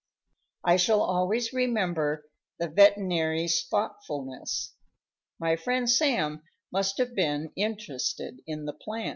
I shall always remember the veterinary's thoughtfulness. My friend Sam must have been interested in the plan.